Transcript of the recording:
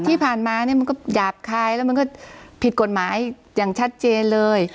ที่ผ่านมาเนี่ยมันก็หยาบคายแล้วมันก็ผิดกฎหมายอย่างชัดเจนเลย